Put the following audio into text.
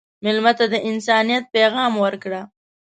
مېلمه ته د انسانیت پیغام ورکړه.